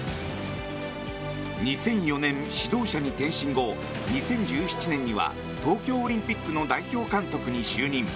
２００４年、指導者に転身後２０１７年には東京オリンピックの代表監督に就任。